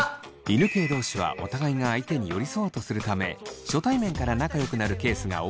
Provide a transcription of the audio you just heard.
犬系同士はお互いが相手に寄り添おうとするため初対面から仲良くなるケースが多いといいます。